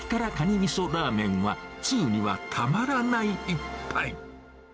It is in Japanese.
みそラーメンは、通にはたまらない一杯。